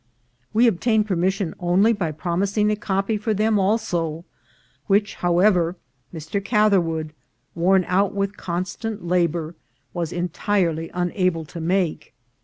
"We obtained permission only by promising a copy for them also, which, however, Mr. Catherwood, worn out with constant labour, was entire ly unable to make.